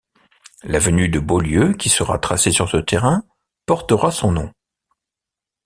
L'avenue de Beaulieu, qui sera tracée sur ce terrain, portera son nom.